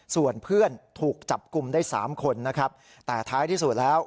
ส่วนเพื่อนถูกจับกลุ่มได้สามคนนะครับแต่ท้ายที่สุดแล้ว